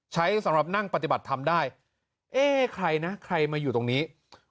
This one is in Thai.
ใช้สำหรับนั่งปฏิบัติธรรมได้เอ๊ะใครนะใครมาอยู่ตรงนี้